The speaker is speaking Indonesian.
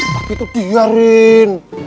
tapi tuh dia rin